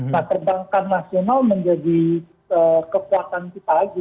nah perbankan nasional menjadi kekuatan kita